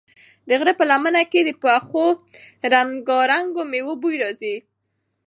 د غره په لمنو کې د پخو رنګارنګو مېوو بوی راځي.